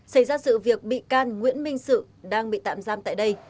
xảy ra sự việc bị can nguyễn minh sự đang bị tạm giam tại đây